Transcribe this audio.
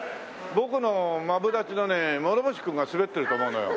僕のマブダチのね諸星君が滑ってると思うのよ。